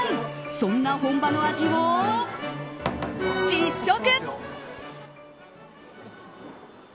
そんな本場の味を実食！